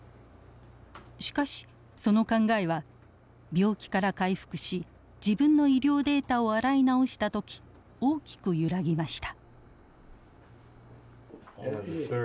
しかしその考えは病気から回復し自分の医療データを洗い直した時大きく揺らぎました。